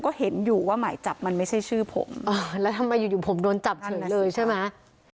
ก็เห็นอยู่ว่าหมายจับมันไม่ใช่ชื่อผมแล้วทำไมอยู่อยู่ผมโดนจับเฉยเลยใช่ไหม